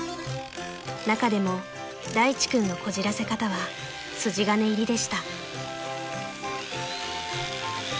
［中でも大地君のこじらせ方は筋金入りでした］